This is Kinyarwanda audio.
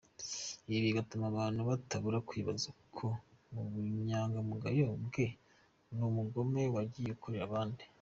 Ibi bigatuma abantu batabura kwibaza ku bunyangamugayo bwe, n’ubugome yagiye akorera abandi.